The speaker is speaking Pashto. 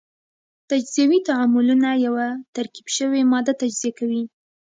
تجزیوي تعاملونه یوه ترکیب شوې ماده تجزیه کوي.